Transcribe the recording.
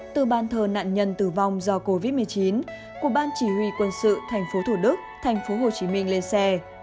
từ ban thờ nạn nhân tử vong do covid một mươi chín của ban chỉ huy quân sự tp thcm lên xe